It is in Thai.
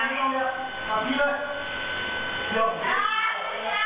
เราจุดเป็นรายงาน